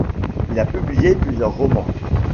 Il a publié plusieurs romans.